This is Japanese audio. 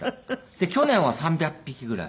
で去年は３００匹ぐらい。